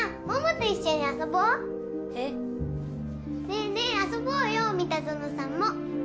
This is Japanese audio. ねえねえ遊ぼうよ三田園さんも。